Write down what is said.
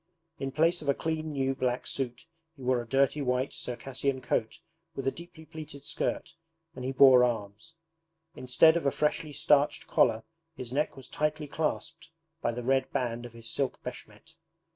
In place of a clean new black suit he wore a dirty white Circassian coat with a deeply pleated skirt, and he bore arms. Instead of a freshly starched collar, his neck was tightly clasped by the red band of his silk BESHMET.